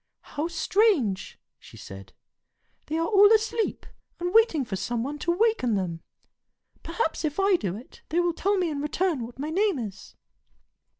"How strange!" she said. "They are all asleep, and waiting for some one to waken them. Perhaps if I do it, they will tell me in return what my name is."